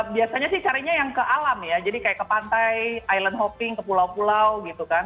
biasanya sih carinya yang ke alam ya jadi kayak ke pantai island hopping ke pulau pulau gitu kan